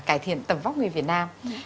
cải thiện tầm vóc người việt nam